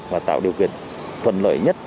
và tạo điều kiện thuận lợi nhất